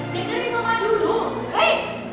dekatin mama dulu rey